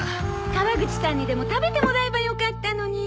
川口さんにでも食べてもらえばよかったのに。